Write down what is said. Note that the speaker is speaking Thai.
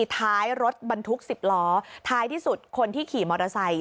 ท้ายรถบรรทุก๑๐ล้อท้ายที่สุดคนที่ขี่มอเตอร์ไซค